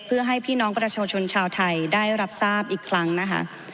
เพื่อให้พี่น้องประชาชนชาวไทยได้รับทราบอีกครั้งนะคะ